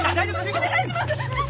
⁉お願いします！